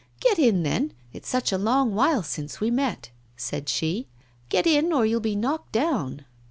'Get in, then; it's such a long while since we met,' said she. 'Get in, or you'll be knocked down.